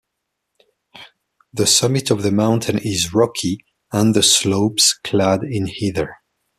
The summit of the mountain is rocky and the slopes clad in heather.